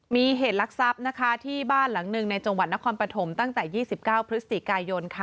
มีเหตุลักษัพที่บ้านหลังหนึ่งในจังหวัดนครปฐมตั้งแต่๒๙พฤศจิกายน